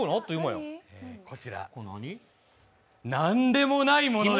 こちら、何でもないものですね。